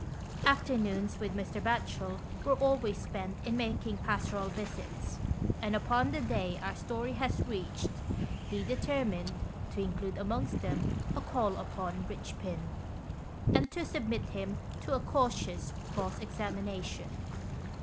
Afternoons, with Mr. Batchel, were always spent in making pastoral visits, and upon the day our story has reached he determined to include amongst them a call upon Eichpin, and to submit him to a cautious cross examination.